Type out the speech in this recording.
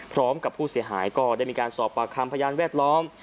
พร้อมกับผู้เสียหายก็ได้มีการสอบปากคำพยานแวดล้อม